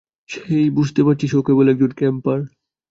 হেই, বুঝতে পারছিস ও কেবল একজন ক্যাম্পার?